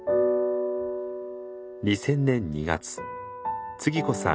２０００年２月つぎ子さん